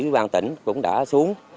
của bang tỉnh cũng đã xuống